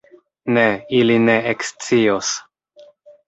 Ne, ili ne ekscios!